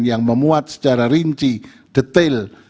yang memuat secara rinci detail